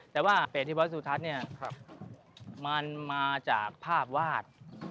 แต่ว่าเปรตที่วัดสุทัศน์เนี่ยมันมาจากภาพวาด